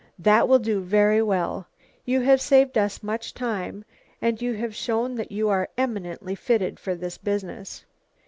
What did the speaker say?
"That will do very well. You have saved us much time and you have shown that you are eminently fitted for this business."